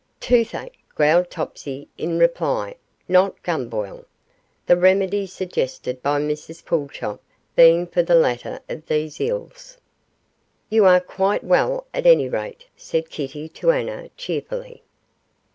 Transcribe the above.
'Toothache,' growled Topsy, in reply, 'not gumboil;' the remedy suggested by Mrs Pulchop being for the latter of these ills. 'You are quite well, at any rate,' said Kitty to Anna, cheerfully.